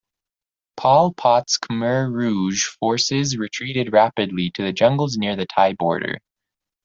Pol Pot's Khmer Rouge forces retreated rapidly to the jungles near the Thai border.